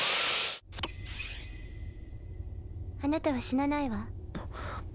あなたは死なないわ。